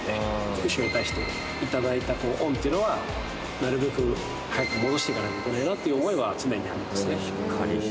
福島に対して頂いた恩っていうのはなるべく早く戻していかなきゃいけないなという思いは常にありますね。